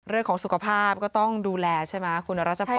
เรื่องของสุขภาพก็ต้องดูแลใช่ไหมคุณรัชพร